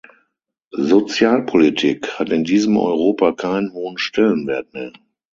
Sozialpolitik hat in diesem Europa keinen hohen Stellenwert mehr.